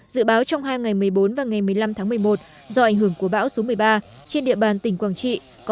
dự báo trong hai ngày một mươi bốn và ngày một mươi năm tháng một mươi một do ảnh hưởng của bão số một mươi ba trên địa bàn tỉnh quảng trị